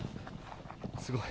すごい。